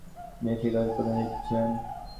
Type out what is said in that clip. তিনি শিক্ষকের পদে নিযুক্তি ছিলেন।